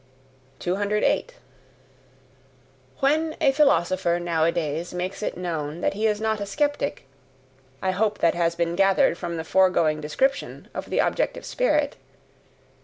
208. When a philosopher nowadays makes known that he is not a skeptic I hope that has been gathered from the foregoing description of the objective spirit?